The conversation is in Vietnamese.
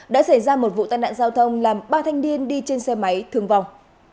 đã xảy ra một vụ tai nạn giao thông làm ba thanh niên đi trên xe máy thương vong